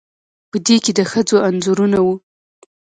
په دې کې د ښځو انځورونه وو